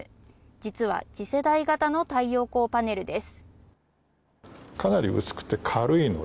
実は次世代型の太陽光パネルです。